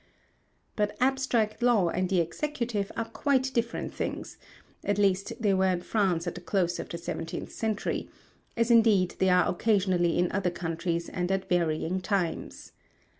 But abstract law and the executive are quite different things at least they were in France at the close of the seventeenth century: as indeed they are occasionally in other countries and at varying times.